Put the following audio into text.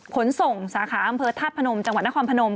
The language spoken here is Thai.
ขนส่งสาขาอำเภอธาตุพนมจังหวัดนครพนม